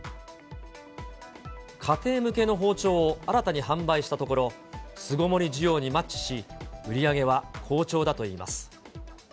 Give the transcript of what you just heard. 家庭向けの包丁を新たに販売したところ、巣ごもり需要にマッチし、売り上げは好調だといいます。